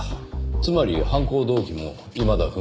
つまり犯行動機もいまだ不明。